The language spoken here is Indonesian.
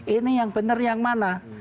ini yang benar yang mana